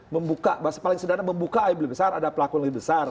membuka bahasa paling sederhana membuka ada pelaku yang lebih besar